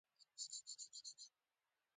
د هغه وینو په یخ وهلې ځمکه لیکه جوړه کړه